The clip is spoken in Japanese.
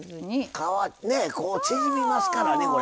皮ねえ縮みますからねこれ。